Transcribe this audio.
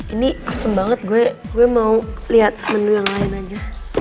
ini asem banget gue mau lihat menu yang lain aja